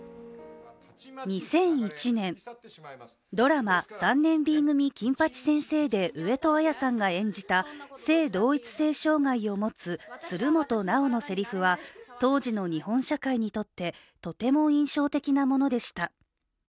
２００１年、ドラマ「３年Ｂ組金八先生」で上戸彩さんが演じた、性同一性障害を持つ鶴本直のセリフは当時の日本社会にとってとても印象的なものでした。